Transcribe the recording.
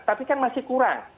tapi kan masih kurang